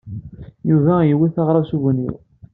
Yuba iwet aɣrab s ubunyiw.